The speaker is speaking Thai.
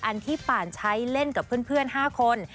อันที่ป่านใช้เล่นกับเพื่อน๕คน